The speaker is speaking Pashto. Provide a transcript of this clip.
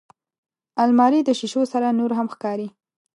الماري د شیشو سره نورهم ښکاري